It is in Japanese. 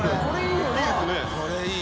いいですね。